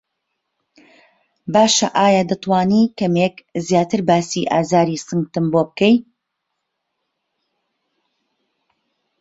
باشه ئایا دەتوانی کەمێک زیاتر باسی ئازاری سنگتم بۆ بکەی؟